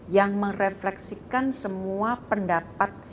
yang merefleksikan semua pendapat